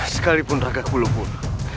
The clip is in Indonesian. sekalipun raga kuburukun